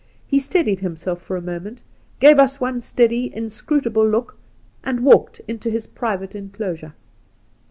He steadied himself for a moment, gave us one steady, inscrutable look, and walked into his private enclosure.